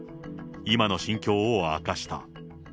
今の心境を明かした。